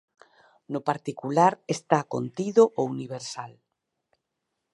No particular está contido o universal".